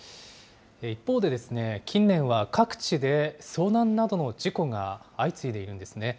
一方で、近年は各地で遭難などの事故が相次いでいるんですね。